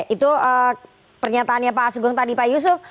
itu pernyataannya pak sugeng tadi pak yusuf